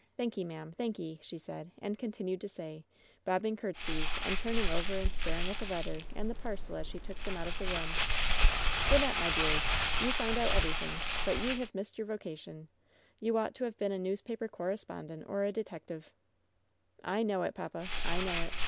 Thank/, ma'am. Thanky',*' she said, and continued to say, bobbing courtesies, and turn ing over and staring at the letter and the parcel as she took them out of the room. 'Wynnette, my dear, you find out everything; but you have missed your vocation. You ought to have been a newspaper correspondent or a detective." "I know it, papa. I know it!"